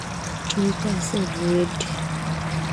ঠিক আছে, রেড।